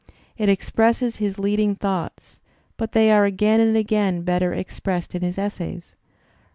It expresses his leading thoughts, but they are again and again better expressed in his essays.